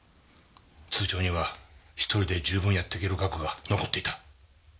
通帳には１人で十分やっていける額が残っていた。